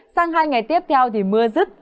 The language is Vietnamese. sang hai ngày tiếp theo thì mưa dứt